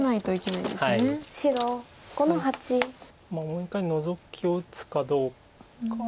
もう一回ノゾキを打つかどうか。